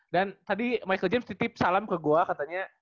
dan tadi michael james titip salam ke gue katanya